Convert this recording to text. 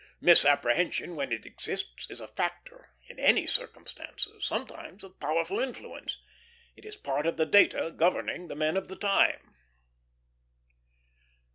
Misapprehension, when it exists, is a factor in any circumstances, sometimes of powerful influence. It is part of the data governing the men of the time.